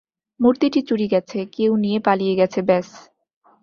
মূর্তিটি চুরি গেছে, কেউ নিয়ে পালিয়ে গেছে, ব্যস।